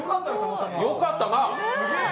よかったな。